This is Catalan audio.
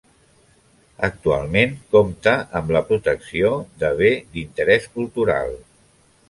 Actualment, compta amb la protecció de Bé d'Interés Cultural.